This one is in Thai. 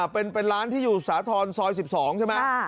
เป็นร้านที่อยู่สาธรณ์ซอย๑๒ใช่ไหม